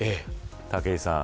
武井さん